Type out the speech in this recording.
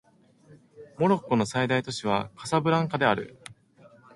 モロッコの最大都市はカサブランカである